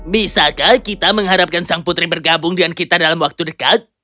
bisakah kita mengharapkan sang putri bergabung dengan kita dalam waktu dekat